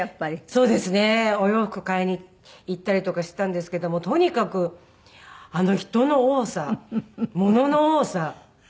そうですねお洋服買いに行ったりとかしてたんですけどもとにかく人の多さ物の多さ。